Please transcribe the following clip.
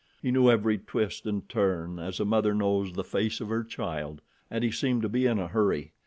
He knew every twist and turn as a mother knows the face of her child, and he seemed to be in a hurry.